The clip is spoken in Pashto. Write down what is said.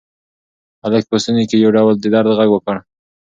هلک په ستوني کې یو ډول د درد غږ وکړ.